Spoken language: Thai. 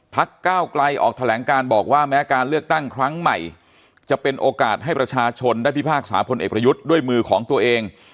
ก้าวไกลออกแถลงการบอกว่าแม้การเลือกตั้งครั้งใหม่จะเป็นโอกาสให้ประชาชนได้พิพากษาพลเอกประยุทธ์ด้วยมือของตัวเอง